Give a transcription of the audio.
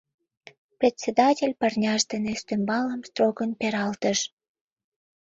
Председатель парняж дене ӱстембалым строгын пералтыш.